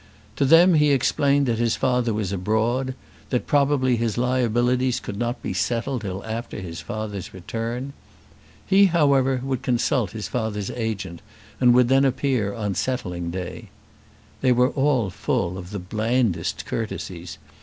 To them he explained that his father was abroad, that probably his liabilities could not be settled till after his father's return. He however would consult his father's agent and would then appear on settling day. They were all full of the blandest courtesies.